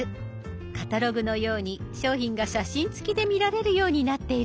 カタログのように商品が写真つきで見られるようになっているんです。